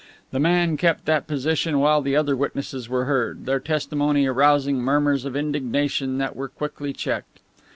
The man kept that position while the other witnesses were heard, their testimony arousing murmurs of indignation that were quickly checked.